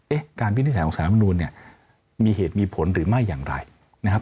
เอ๊ะการพิจารณ์ของสารรัฐธรรมนูนเนี่ยมีเหตุมีผลหรือไม่อย่างไรนะครับ